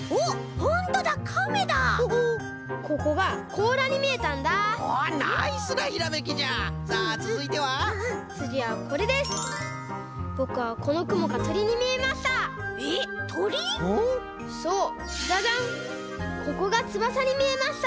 ここがつばさにみえました！